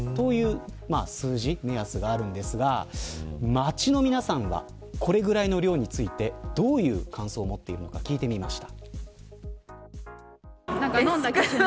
街の皆さんはこれぐらいの量についてどういう感想を持っているのか聞いてみました。